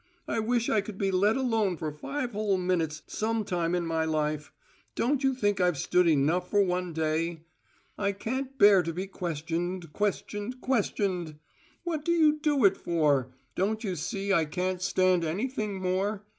"I wish I could be let alone for five whole minutes some time in my life! Don't you think I've stood enough for one day? I can't bear to be questioned, questioned, questioned! What do you do it for? Don't you see I can't stand anything more?